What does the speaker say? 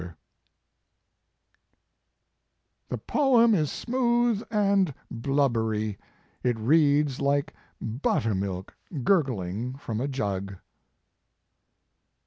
2IO Mark Twain "The poem is smooth and blubbery; it reads like buttermilk gurgling from a jug."